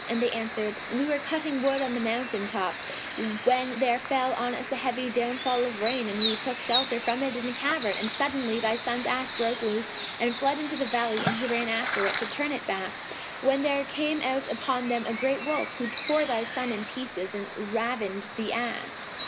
and they answered, "We were cutting wood on the mountain top, when there fell on us a heavy downfall of rain and we took shelter from it in a cavern; and suddenly thy son's ass broke loose and fled into the valley, and he ran after it, to turn it back, when there came out upon them a great wolf, who tore thy son in pieces and ravined the ass."